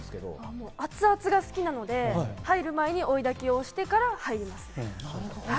熱々が好きなので入る前に追い焚きをしてから入ります。